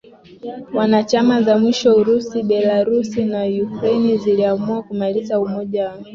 wanachama za mwisho Urusi Belarus na Ukraine ziliamua kumaliza Umoja wa